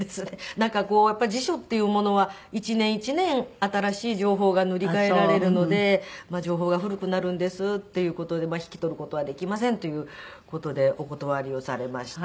なんかこうやっぱり辞書っていうものは一年一年新しい情報が塗り替えられるので情報が古くなるんですっていう事で引き取る事はできませんという事でお断りをされまして。